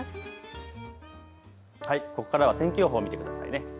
ここからは天気予報見てくださいね。